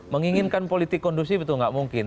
menginginkan politik kondusif itu nggak mungkin